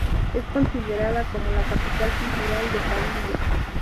Es considerada como la capital cultural de Cabilia.